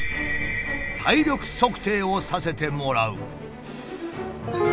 体力測定をさせてもらう。